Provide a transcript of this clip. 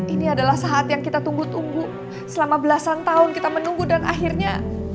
ini adalah saat yang kita tunggu tunggu selama belasan tahun kita menunggu dan akhirnya